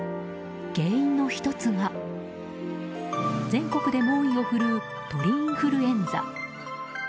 原因の１つが全国で猛威を振るう鳥インフルエンザ。